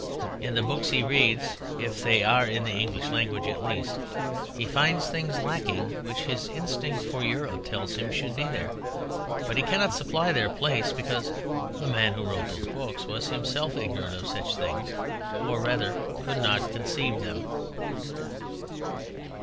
In the books he reads—if they are in the English language at least—he finds things lacking which his instinct for Europe tells him should be there; but he cannot supply their place because the man who wrote those books was himself ignorant of such things, or rather could not conceive them.